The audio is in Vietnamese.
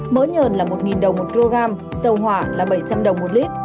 mỡ nhờn là một đồng một kg dầu hỏa là bảy trăm linh đồng một lít